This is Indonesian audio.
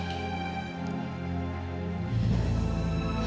mama selama ini terlalu keras sama sini